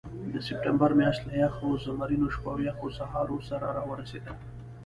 د سپټمبر میاشت له یخو زمرینو شپو او یخو سهارو سره راورسېده.